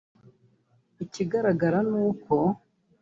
Ikigaragara ni uko